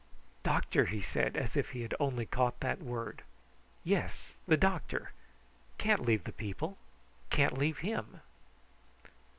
"Doctor!" he said, as if he had only caught that word. "Yes, the doctor. Can't leave the people can't leave him."